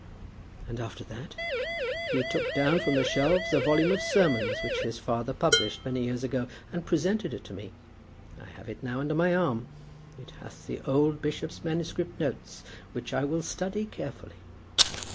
'" "And after that?" "He took down from the shelves a volume of sermons which his father published many years ago, and presented it to me. I have it now under my arm. It hath the old bishop's manuscript notes, which I will study carefully."